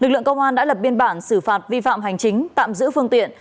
lực lượng công an đã lập biên bản xử phạt vi phạm hành chính tạm giữ phương tiện